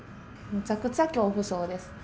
むちゃくちゃ恐怖症です。